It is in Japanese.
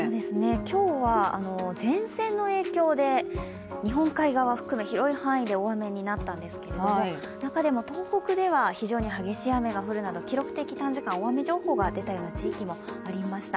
今日は前線の影響で日本海側を含むところで大雨になったんですけど、中でも東北では非常に激しい雨が降るなど記録的短時間大雨情報が出たような地域もありました。